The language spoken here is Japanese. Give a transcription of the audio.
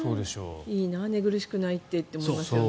いいな、寝苦しくないってって思いますよね。